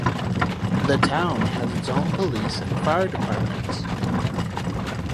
The town has its own police and fire departments.